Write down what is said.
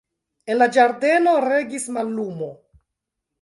En la ĝardeno regis mallumo.